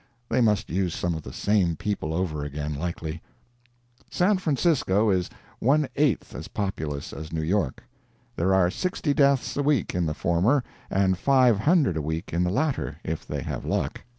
They must use some of the same people over again, likely. San Francisco is one eighth as populous as New York; there are 60 deaths a week in the former and 500 a week in the latter if they have luck.